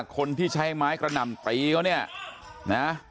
คนที่ใช้ไม้กระหน่ำตีเขาเนี่ยนะ